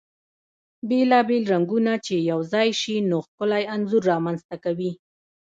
بيلا بيل رنګونه چی يو ځاي شي ، نو ښکلی انځور رامنځته کوي .